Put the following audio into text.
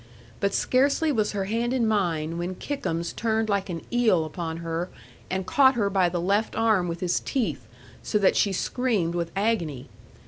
But scarcely was her hand in mine, when Kickums turned like an eel upon her, and caught her by the left arm with his teeth, so that she screamed with agony.